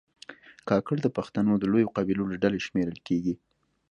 کاکړ د پښتنو د لویو قبیلو له ډلې شمېرل کېږي.